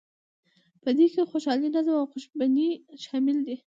په دې کې خوشحالي، نظم او خوشبیني شامل دي.